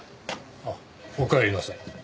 あっおかえりなさい。